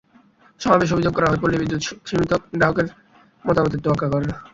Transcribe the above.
সমাবেশে অভিযোগ করা হয়, পল্লী বিদ্যুৎ সমিতি গ্রাহকদের মতামতের তোয়াক্কা করে না।